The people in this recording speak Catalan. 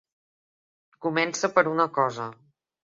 Comença per una cosa.